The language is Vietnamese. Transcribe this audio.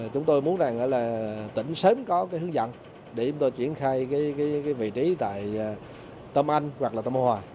chúng tôi muốn rằng là tỉnh sớm có cái hướng dẫn để chúng tôi triển khai vị trí tại tâm anh hoặc là tâm hòa